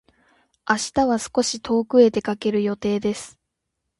明日は少し遠くへ出かける予定です。